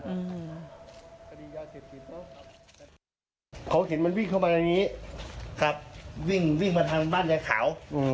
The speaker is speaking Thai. เขาเห็นมันวิ่งเข้ามาอย่างนี้ครับวิ่งวิ่งมาทางบ้านในขาว